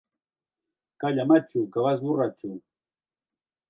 Calla matxo, que vas borratxo.